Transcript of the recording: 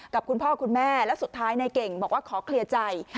คุณพ่อคุณแม่แล้วสุดท้ายนายเก่งบอกว่าขอเคลียร์ใจ